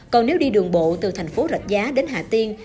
còn nếu đi đường bộ từ thành phố rạch giá đến hà tiên